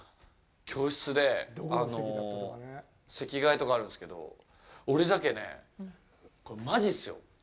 教室で、席がえとかあるんですけど俺だけね、これマジっすよ